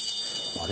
あれ？